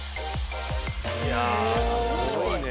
いやあすごいね。